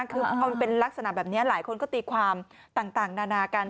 คือพอมันเป็นลักษณะแบบนี้หลายคนก็ตีความต่างนานากัน